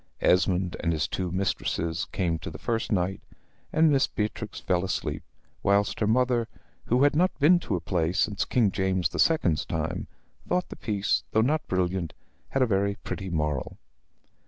Esmond and his two mistresses came to the first night, and Miss Beatrix fell asleep; whilst her mother, who had not been to a play since King James the Second's time, thought the piece, though not brilliant, had a very pretty moral.